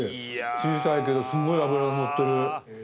小さいけどすごい脂がのってる。